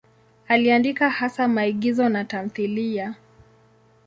Aliandika hasa maigizo na tamthiliya.